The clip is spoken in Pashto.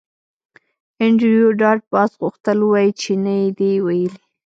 انډریو ډاټ باس غوښتل ووایی چې نه یې دی ویلي